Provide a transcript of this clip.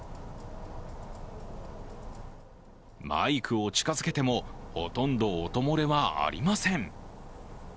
マイクを近づけてもほとんど音漏れはありません。